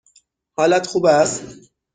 حالت خوب است؟